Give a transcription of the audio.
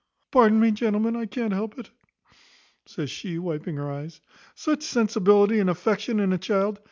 Pardon me, gentlemen, I can't help it" (says she, wiping her eyes), "such sensibility and affection in a child.